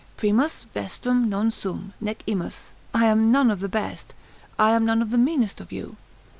Primus vestrum non sum, nec imus, I am none of the best, I am none of the meanest of you.